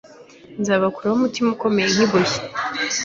nzabakuremo umutima ukomeye nk’ibuye,